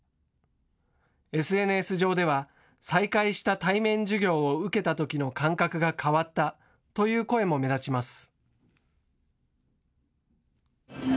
ＳＮＳ上では、再開した対面授業を受けたときの感覚が変わったという声も目立ちます。